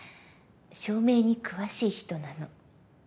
照明に詳しい人なの。